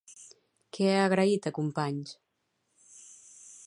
Què ha agraït a Companys?